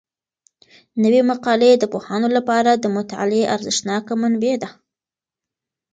نوي مقالې د پوهانو لپاره د مطالعې ارزښتناکه منبع ده.